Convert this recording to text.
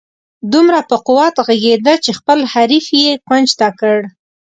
دومره په قوت ږغېده چې خپل حریف یې کونج ته کړ.